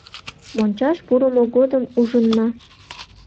Мончаш пурымо годым ужынна.